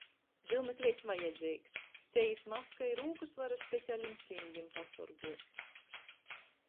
Dyumekleits vajadzeigs, sejis maska i rūkys var ar specialim cymdim pasorguot.